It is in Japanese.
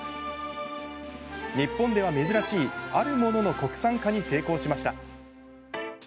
日本では珍しいあるものの国産化に成功しました。